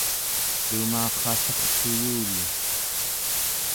lumarrallertuyuli